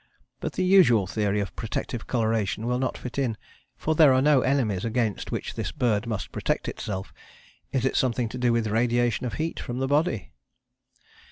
But the usual theory of protective coloration will not fit in, for there are no enemies against which this bird must protect itself. Is it something to do with radiation of heat from the body?